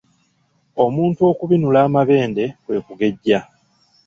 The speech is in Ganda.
Omuntu okubinula amabende kwe okugejja.